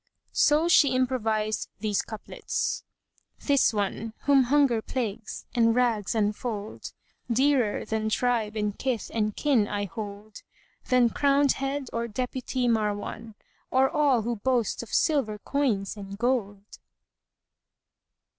So she improvised these couplets, "This one, whom hunger plagues, and rags unfold, * Dearer than tribe and kith and kin I hold; Than crownèd head, or deputy Marwán, * Or all who boast of silver coins and gold."